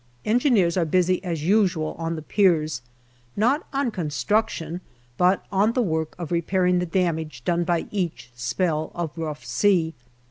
En gineers are busy as usual on the piers, not on construction, but on the work of repairing the damage done by each spell of rough sea.